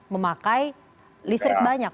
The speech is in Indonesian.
memakai listrik banyak